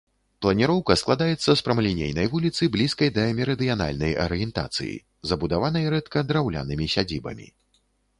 Планіроўка складаецца з прамалінейнай вуліцы, блізкай да мерыдыянальнай арыентацыі, забудаванай рэдка драўлянымі сядзібамі.